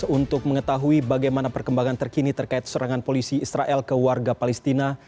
untuk mengetahui bagaimana perkembangan terkini terkait serangan polisi israel ke warga palestina